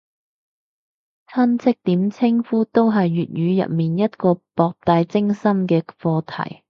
親戚點稱呼都係粵語入面一個博大精深嘅課題